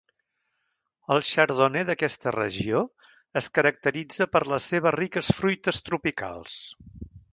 El Chardonnay d'aquesta regió es caracteritza per les seves riques fruites tropicals.